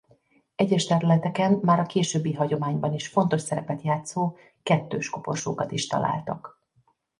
Egyes területeken már a későbbi hagyományban is fontos szerepet játszó kettős koporsókat is találtak.